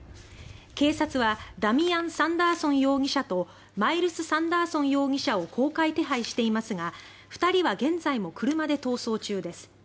警察はダミアン・サンダーソン容疑者とマイルス・サンダーソン容疑者を公開手配していますが２人は現在も車で逃走中です。